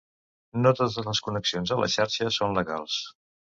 No totes les connexions a la xarxa són legals.